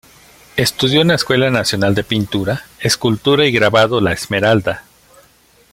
Estudió en la Escuela Nacional de Pintura, Escultura y Grabado "La Esmeralda".